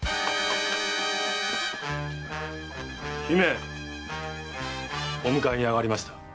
姫お迎えにあがりました。